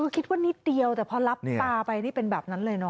คิดว่านิดเดียวแต่พอรับตาไปนี่เป็นแบบนั้นเลยเนอ